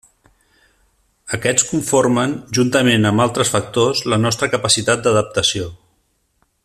Aquests conformen, juntament amb altres factors, la nostra capacitat d'adaptació.